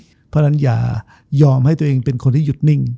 เพราะฉะนั้นอย่ายอมให้ตัวเองเป็นคนที่หยุดนิ่ง